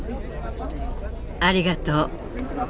ありがとう。